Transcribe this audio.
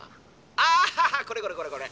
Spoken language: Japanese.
あっこれこれこれこれ！